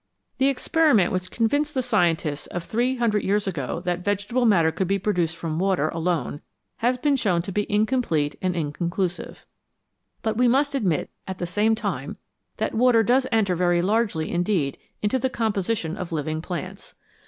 The experiment which convinced the scientists of three hundred years ago that vegetable matter could be pro duced from water alone has been shown to be incomplete and inconclusive ; but we must admit at the same time that water does enter very largely indeed into the com position of living plants.